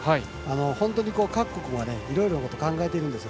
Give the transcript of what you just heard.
本当に各国がいろいろなこと、考えてるんです。